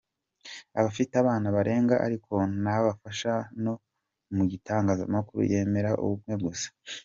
Afite abana barenga ariko ntabafasha no mu itangazamakuru yemera umwe gusa.